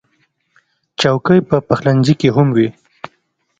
چوکۍ په پخلنځي کې هم وي.